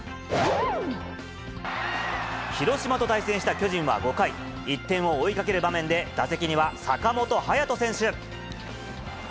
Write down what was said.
広島と対戦した巨人は５回、１点を追いかける場面で、打席には坂本勇人選手。